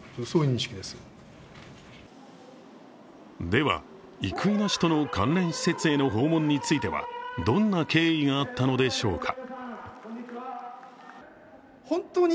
では、生稲氏との関連施設への訪問についてはどんな経緯があったのでしょうか。